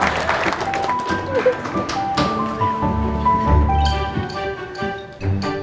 apaan orang lainnya